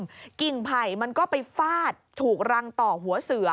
กิ่งไผ่มันก็ไปฟาดถูกรังต่อหัวเสือ